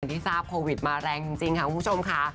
ที่ทราบโควิดมาแรงจริงค่ะคุณผู้ชมค่ะ